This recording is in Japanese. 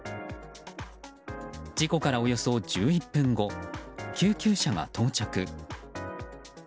事故からおよそ１１分後救急車が到着。